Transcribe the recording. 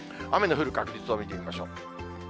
雨の降る確率を見てみましょう。